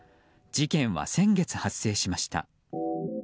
事件は先月発生しました。